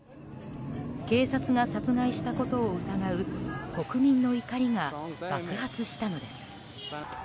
警察が殺害したことを疑う国民の怒りが爆発したのです。